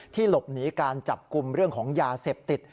หลบหนีการจับกลุ่มเรื่องของยาเสพติด